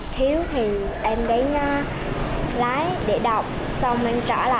thiếu thì em đến lái để đọc xong em trả lại